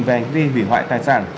về hành vi hủy hoại tài sản